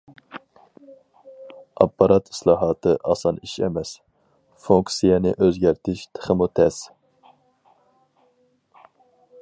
ئاپپارات ئىسلاھاتى ئاسان ئىش ئەمەس، فۇنكسىيەنى ئۆزگەرتىش تېخىمۇ تەس.